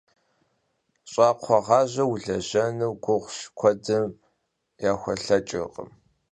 Щӏакхъуэгъажьэу уэлэжьэныр гугъущ, куэдым яхулъэкӏыркъым.